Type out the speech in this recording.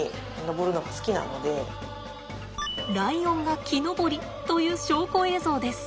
ライオンが木登りという証拠映像です。